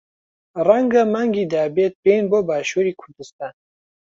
ڕەنگە مانگی دابێت بێین بۆ باشووری کوردستان.